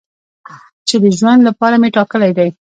چې د ژوند لپاره مې ټاکلی دی.